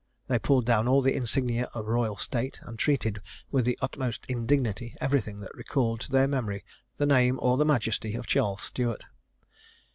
They pulled down all the insignia of royal state, and treated with the utmost indignity everything that recalled to their memory the name or the majesty of Charles Stuart.